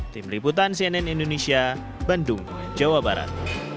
tim liputan cnn indonesia bandung jawa barat